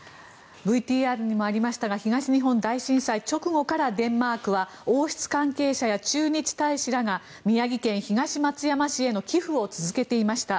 ＶＴＲにもありましたが東日本大震災直後からデンマークは王室関係者や駐日大使らが宮城県東松山市への寄付を続けていました。